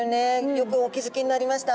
よくお気付きになりました。